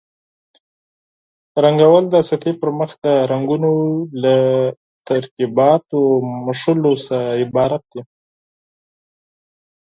رنګول د سطحې پر مخ د رنګونو له ترکیباتو مښلو څخه عبارت دي.